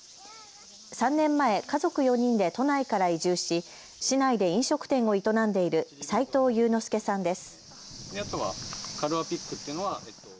３年前、家族４人で都内から移住し市内で飲食店を営んでいる齋藤祐之介さんです。